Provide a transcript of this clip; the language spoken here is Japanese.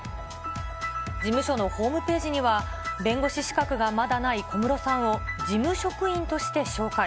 事務所のホームページには、弁護士資格がまだない小室さんを、事務職員として紹介。